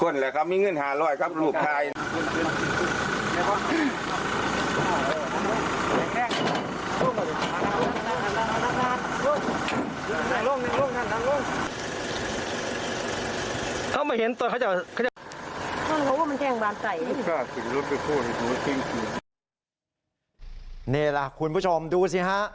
นั่นล่ะคุณผู้ชมดูซิฮะ